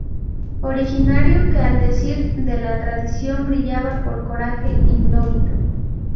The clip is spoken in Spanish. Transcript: Originario que al decir de la tradición, brillaba por coraje indómito.